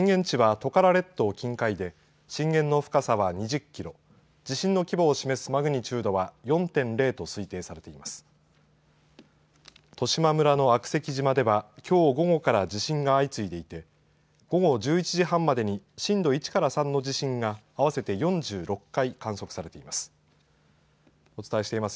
十島村の悪石島ではきょう午後から地震が相次いでいて午後１１時半までに震度１から３の地震が合わせて４６回観測されています。